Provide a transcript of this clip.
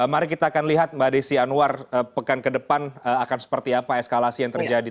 mari kita akan lihat mbak desi anwar pekan ke depan akan seperti apa eskalasi yang terjadi